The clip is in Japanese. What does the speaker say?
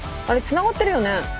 つながってるよね？